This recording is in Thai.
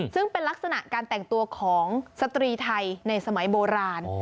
ซึ่งเป็นลักษณะการแต่งตัวของสตรีไทยในสมัยโบราณ